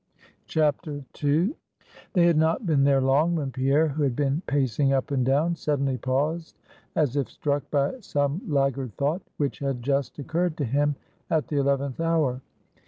II. They had not been there long, when Pierre, who had been pacing up and down, suddenly paused, as if struck by some laggard thought, which had just occurred to him at the eleventh hour.